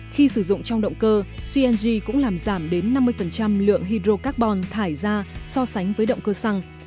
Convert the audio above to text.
khi sử dụng trong động cơ cng cũng làm giảm đến năm mươi lượng hydro carbon thải ra so sánh với động cơ xăng